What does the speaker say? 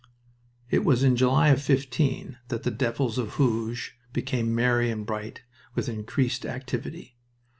It was in July of '15 that the devils of Hooge became merry and bright with increased activity.